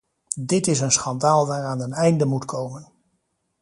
Dit is een schandaal waaraan een einde moet komen!